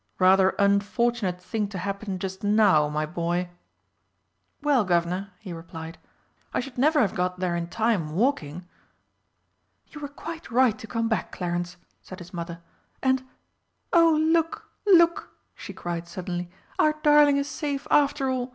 "Rather unfortunate thing to happen just now, my boy!" "Well, Guv'nor," he replied, "I should never have got there in time, walking." "You were quite right to come back, Clarence," said his Mother, "And oh, look, look!" she cried suddenly, "our darling is safe after all!